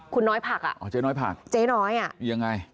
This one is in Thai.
คุณน้อยผักอ่ะอ๋อเจ๊น้อยผักเจ๊น้อยอ่ะยังไง